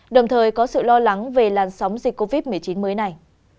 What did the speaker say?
đồng thời có sự lo lắng về làn sóng dịch covid một mươi chín mới này